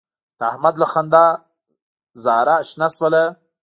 د احمد له خندا نه زاره شنه شوله.